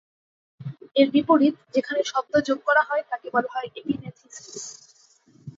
এর বিপরীত, যেখানে শব্দ যোগ করা হয়, তাকে বলা হয় এপিনেথিসিস।